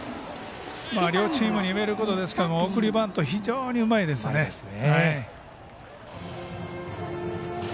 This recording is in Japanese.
両チームに言えることですけども送りバント非常にうまいですよね。